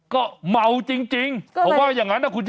ก็เหมาจริง